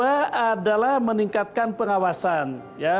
memantau mendorong proses penyelesaian